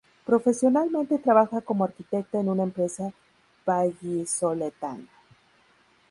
Profesionalmente trabaja como arquitecta en una empresa vallisoletana.